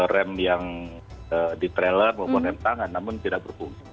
rem yang di trailer maupun rem tangan namun tidak berfungsi